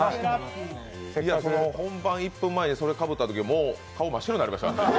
本番１分前にそれをかぶったとき、顔真っ白になりました。